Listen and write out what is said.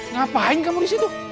ngapain kamu disitu